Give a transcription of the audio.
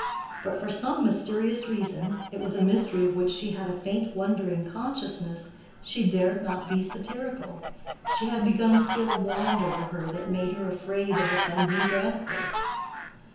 But for some mysterious reason—it was a mystery of which she had a faint wondering consciousness—she dared not be satirical: she had begun to feel a wand over her that made her afraid of offending Grandcourt.